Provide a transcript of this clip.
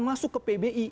masuk ke pbi